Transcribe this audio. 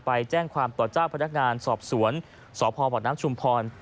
ไปแจ้งความต่อเจ้าพนักงานสอบสวนสพบน้ำชุมพร